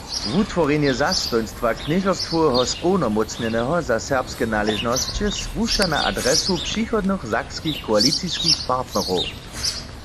Wutworjenje zastojnstwa knježerstwoweho społnomócnjeneho za serbske naležnosće słuša na adresu přichodnych sakskich koaliciskich partnerow.